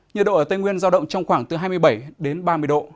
nhiệt độ ở tây nguyên giao động trong khoảng từ hai mươi bảy đến ba mươi độ